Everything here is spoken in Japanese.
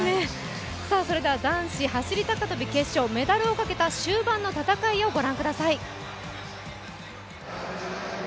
男子走高跳決勝、メダルをかけた終盤の戦いをご覧ください。